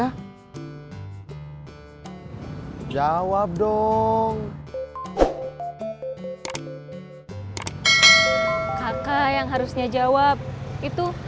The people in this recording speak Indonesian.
dan jalan nanti menjalankan aktivitas sebuah balan